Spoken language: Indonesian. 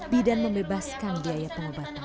bidan membebaskan biaya pengobatan